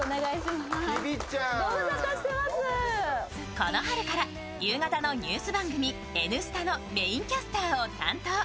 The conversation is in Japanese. この春から夕方のニュース番組「Ｎスタ」のニュースキャスターを担当。